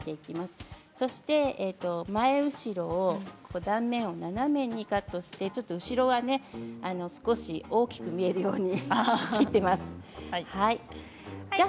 前後ろを断面を斜めにカットして後ろは少し大きく見えるように切っています。